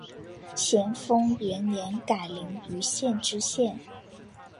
咸丰元年改临榆县知县。